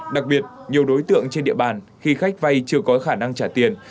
đặc biệt nhiều đối tượng trên địa bàn khi khách vay chưa có khả năng trả tiền